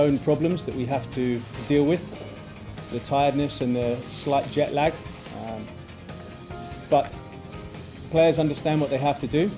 mereka masih memotivasi seperti mereka melalui pertandingan malaysia